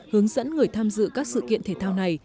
hướng dẫn người tham dự các sự kiện thể thao này